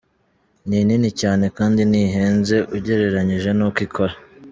Ni nini cyane kandi ntihenze ugereranyije n’uko ikora.